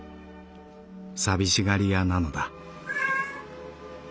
寂しがり屋なのだ」。